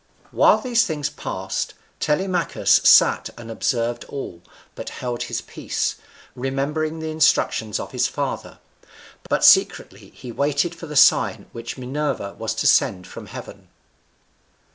While these things passed, Telemachus sat and observed all, but held his peace, remembering the instructions of his father. But secretly he waited for the sign which Minerva was to send from heaven.